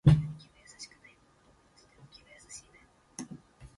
Kimball organized no effective pursuit.